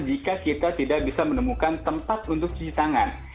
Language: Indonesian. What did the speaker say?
jika kita tidak bisa menemukan tempat untuk cuci tangan